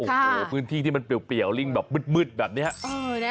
ค่ะพื้นที่ที่มันเปลี่ยวริ่งแบบมืดแบบเนี้ยเออนะฮะ